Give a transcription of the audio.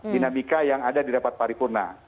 dinamika yang ada di rapat paripurna